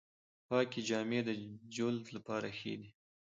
پاکې جامې د جلد لپاره ښې دي۔